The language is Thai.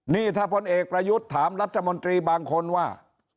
นี่ถ้าพลเอกประยุทธ์ถามรัฐมนตรีบางคนว่า